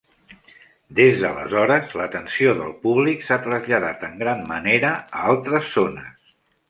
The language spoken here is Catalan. Des d'aleshores, l'atenció del públic s'ha traslladat en gran manera a altres zones.